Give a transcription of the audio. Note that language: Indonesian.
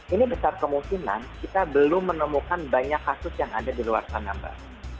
ini besar kemungkinan kita belum menemukan banyak kasus yang ada di luar sana mbak